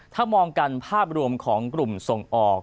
ถ้ามองกันภาพรวมของกลุ่มส่งออก